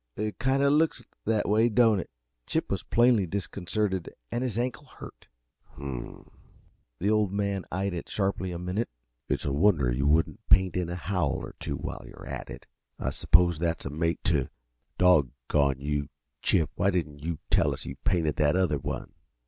"It kind of looks that way, don't it?" Chip was plainly disconcerted, and his ankle hurt. "H m m." The Old Man eyed it sharply a minute. "It's a wonder you wouldn't paint in a howl or two, while you're about it. I suppose that's a mate to doggone you, Chip, why didn't yuh tell us you painted that other one?"